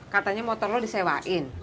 katanya motor lo disewain